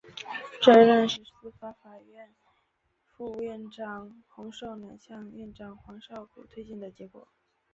这一任职是司法院副院长洪寿南向院长黄少谷推荐的结果。